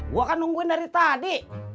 gua kan nungguin dari tadi